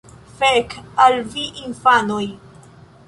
Fek' al vi infanoj!